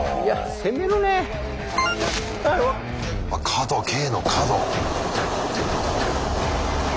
角Ｋの角。